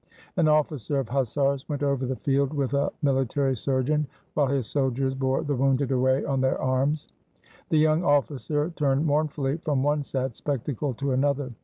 An officer of hussars went over the field with a mili tary surgeon, while his soldiers bore the wounded away on their arms. The young officer turned mournfully from one sad spectacle to another.